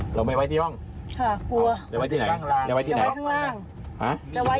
กลัว